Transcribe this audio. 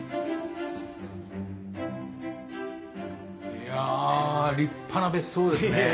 ・いや立派な別荘ですね。